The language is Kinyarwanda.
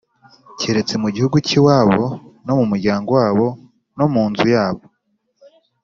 keretse mu gihugu cy'iwabo, no mu muryango wabo, no mu nzu yabo.